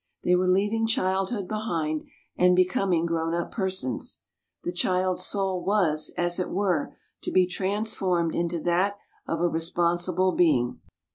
They were leaving childhood behind and becoming grown up persons, the child's soul was, as it were, to be trans formed into that of a responsible being.